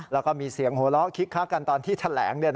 แล้วก็มีเสียงโหลอฆิกฆากันตอนที่แถลง